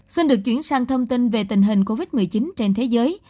xin được chuyển sang thông tin về tình hình covid một mươi chín trên thế giới